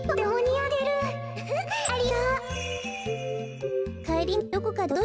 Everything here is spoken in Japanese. ありがとう。